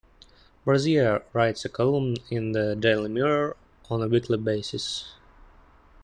Brazier writes a column in the "Daily Mirror" on a weekly basis.